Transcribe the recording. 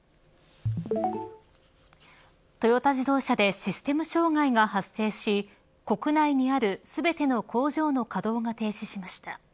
トヨタ自動車でシステム障害が発生し国内にある全ての工場の稼働が停止しました。